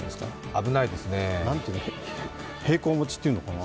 危ないですね。なんていうの、平行持ちっていうのかな。